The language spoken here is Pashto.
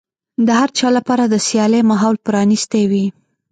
د هر چا لپاره د سيالۍ ماحول پرانيستی وي.